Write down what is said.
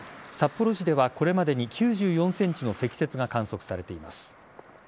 札幌市ではこれまでに９４ｃｍの積雪が観測されています。